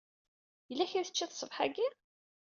Yella kra i teččiḍ ṣṣbeḥ-agi?